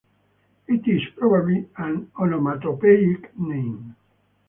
It is probably an onomatopoeic name.